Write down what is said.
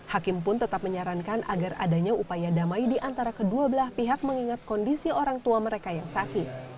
hakim pun tetap menyarankan agar adanya upaya damai di antara kedua belah pihak mengingat kondisi orang tua mereka yang sakit